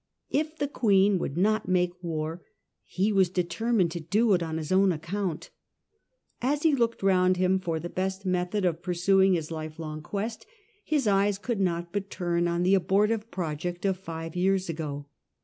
If the Queen would not make war he was determined to do it on his own account As he looked round him for the best method of pursuing his life long quest, his eyes could not but turn on the abortive project of five years ago.